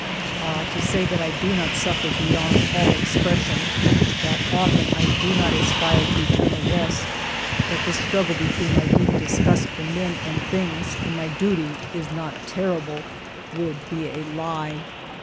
Ah, to say that I do not suffer beyond all expression, that often I do not aspire to eter nal rest, that this struggle between my deep dis gust for men and things and my duty is not terrible, would be a lie.